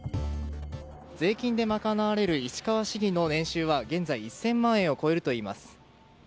税金で賄われる市川市議の年収は現在１０００万円を超えるといいます。